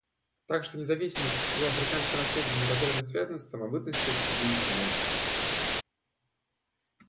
Так что независимость и африканское наследие неразрывно связаны с самобытностью кубинской нации.